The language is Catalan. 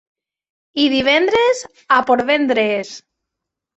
I divendres, a Portvendres.